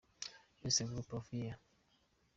-Best group of the year.